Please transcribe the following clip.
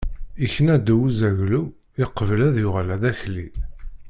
Ikna ddaw n uzaglu, iqbel ad yuɣal d akli.